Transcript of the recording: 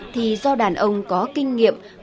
thì do đàn ông có kinh nghiệm